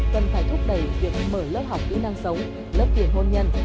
cần phải thúc đẩy việc mở lớp học kỹ năng sống lớp tiền hôn nhân